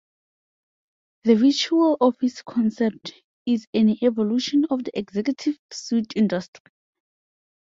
The virtual office concept is an evolution of the executive suite industry.